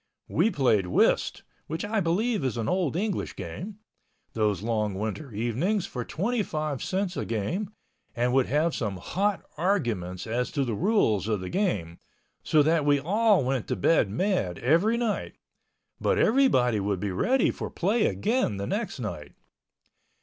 We played whist (which I believe is an old English game) those long winter evenings for 25 cents a game and would have some hot arguments as to the rules of the game, so that we all went to bed mad every night—but everybody would be ready for play again the next night.